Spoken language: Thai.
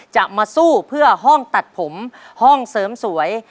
จะมาสู้เพื่อห้องตัดผมห้องเสริมสวย